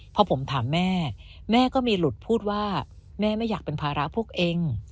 พอผมถามแม่แม่ก็มีหลุดพูดว่าแม่ไม่อยากเป็นภาระพวกเอง